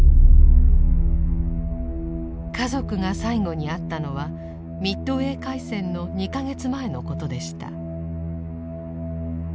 家族が最後に会ったのはミッドウェー海戦の２か月前のことでした。